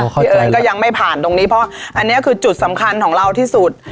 เอิญก็ยังไม่ผ่านตรงนี้เพราะอันนี้คือจุดสำคัญของเราที่สุด